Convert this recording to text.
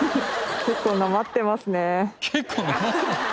「結構なまってますね」。